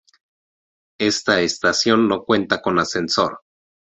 Esta estación no cuenta con ascensor